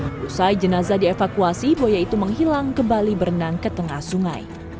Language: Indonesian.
setelah jenazah dievakuasi buaya itu menghilang kembali berenang ke tengah sungai